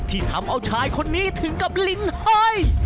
ที่ทำเอาชายคนนี้ถึงกับลิ้นห้อย